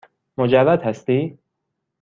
مجرد هستی؟